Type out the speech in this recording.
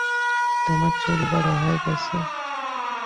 তোমার চুল বড় হয়ে গেছে।